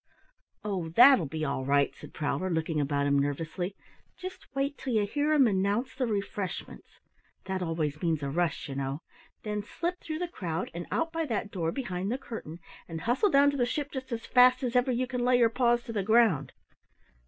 "Oh, that'll be all right," said Prowler, looking about him nervously. "Just wait till you hear 'em announce the refreshments that always means a rush, you know. Then slip through the crowd and out by that door behind the curtain, and hustle down to the ship just as fast as ever you can lay your paws to the ground!"